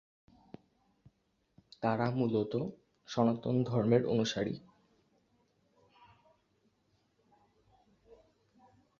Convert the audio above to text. তারা মূলত: সনাতন ধর্মের অনুসারী।